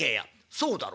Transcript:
「そうだろ。